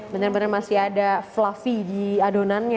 benar benar masih ada fluffy di adonannya